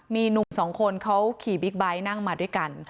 มีหนุ่มสองคนเขาขี่บิ๊กไบท์นั่งมาด้วยกัน